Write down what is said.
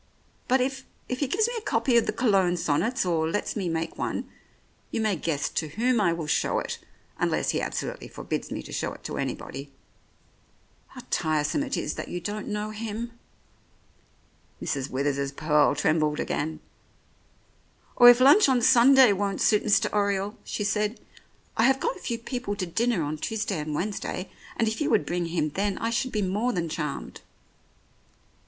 But if — if he gives me a copy of the Cologne sonnets, or lets me make one, you may guess to whom I will show it, unless he absolutely forbids me to show it to anybody. How tiresome it is that you don't know him !" Mrs. Withers's pearl trembled again. "Or if lunch on Sunday won't suit Mr. Oriole," IOI The Oriolists she said, "I have got a few people to dinner on Tuesday and Wednesday, and if you would bring him then I should be more than charmed."